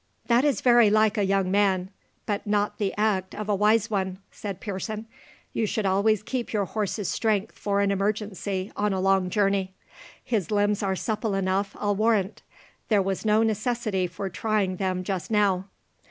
"That is very like a young man, but not the act of a wise one!" said Pearson. "You should always keep your horse's strength for an emergency on a long journey. His limbs are supple enough, I'll warrant; there was no necessity for trying them just now."